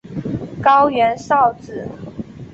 高原苕子